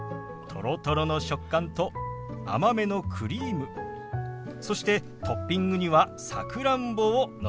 とろとろの食感と甘めのクリームそしてトッピングにはさくらんぼをのせてみました。